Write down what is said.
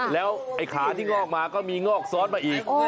แล้วไอ้ขาที่งอกมาก็มีงอกซ้อนมาอีก